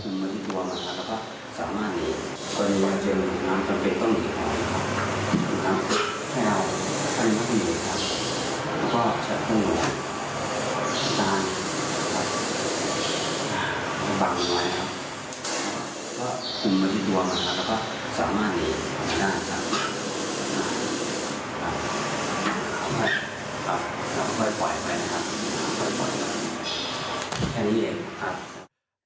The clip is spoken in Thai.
กุมน้ำไปด้วยกว่าแล้วก็สามารถรีม